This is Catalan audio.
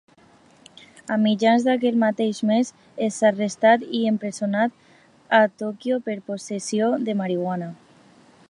A mitjans d'aquell mateix mes és arrestat i empresonat a Tòquio per possessió de marihuana.